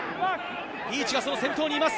リーチがその先頭にいます。